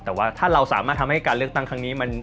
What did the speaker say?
แต่ว่าถ้าเราสามารถทำให้การเลือกตั้งครั้งนี้